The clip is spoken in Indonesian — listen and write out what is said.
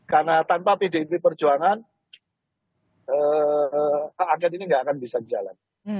karena tanpa pdi perjuangan hak angkat ini gak akan bisa jalan